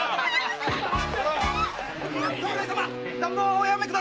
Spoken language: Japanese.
おやめください！